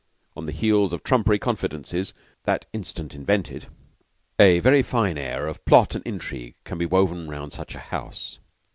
on the heels of trumpery confidences that instant invented, a very fine air of plot and intrigue can be woven round such a house.